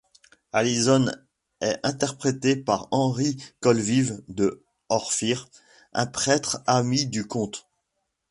Allison est interrogée par Henry Colville de Orphir, un prêtre ami du comte.